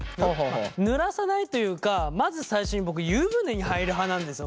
まあぬらさないというかまず最初に僕湯船に入る派なんですよ